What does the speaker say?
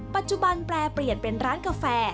ปัจจุบันแปรเปลี่ยนเป็นร้านกาแฟ